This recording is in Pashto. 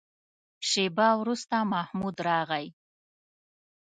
شېبه وروسته محمود راغی.